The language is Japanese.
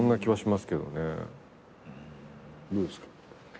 どうですか？